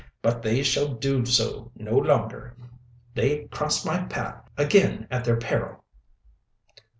But they shall do so no longer. They cross my path again at their peril!"